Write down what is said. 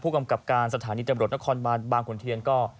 ผู้กำกับการสถานีตำรวจนครบางคุณเทียนก็